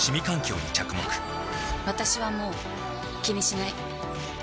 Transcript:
私はもう気にしない。